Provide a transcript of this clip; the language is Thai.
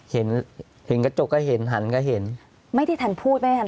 เห็นเห็นกระจกก็เห็นหันก็เห็นไม่ได้ทันพูดไม่ทัน